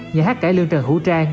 nhà hát cải lương trần hữu trang